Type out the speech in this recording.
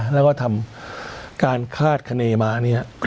แล้วก็ทำการคาดคณีมาเนี่ย